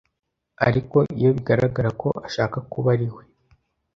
ariko iyo bigaragara ko ashaka kuba ariwe